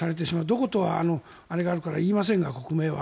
どことあれがあるから言いませんが国名は。